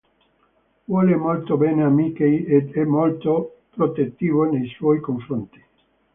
Vuole molto bene a Mikey ed è molto protettivo nei suoi confronti.